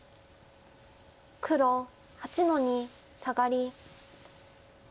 黒８の二サガリ。